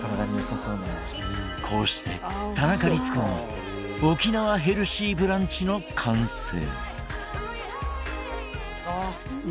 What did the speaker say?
こうして田中律子の沖縄ヘルシーブランチの完成。